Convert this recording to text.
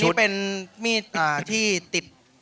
ตัวนี้เป็นมีดที่ติด